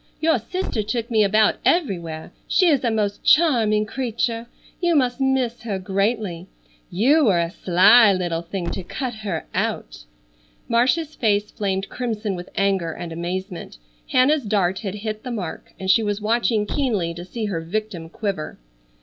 Your sister took me about everywhere. She is a most charming creature. You must miss her greatly. You were a sly little thing to cut her out." Marcia's face flamed crimson with anger and amazement. Hannah's dart had hit the mark, and she was watching keenly to see her victim quiver.